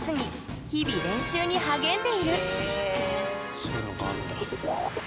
そういうのがあるんだ。